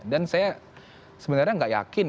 dan saya sebenarnya nggak yakin